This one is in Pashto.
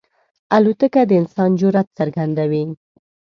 الوتکه د انسان جرئت څرګندوي.